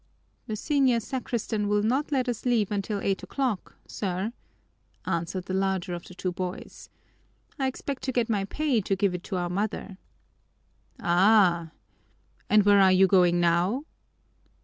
"The senior sacristan will not let us leave until eight o'clock, sir," answered the larger of the two boys. "I expect to get my pay to give it to our mother." "Ah! And where are you going now?"